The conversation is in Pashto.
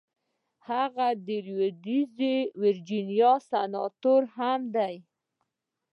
هغه د لويديځې ويرجينيا سناتور هم دی.